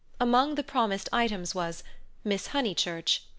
Among the promised items was "Miss Honeychurch.